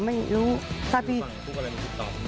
มันกลัวเอิญอย่างนี้นะครับ